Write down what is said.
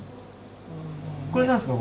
これ何ですか？